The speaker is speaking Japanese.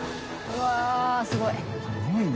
うわっすごい。